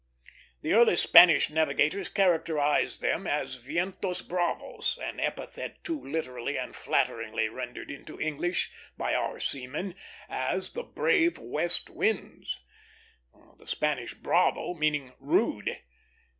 The early Spanish navigators characterized them as "vientos bravos," an epithet too literally and flatteringly rendered into English by our seamen as "the brave west winds;" the Spanish "bravo" meaning rude.